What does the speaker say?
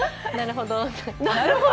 なるほど。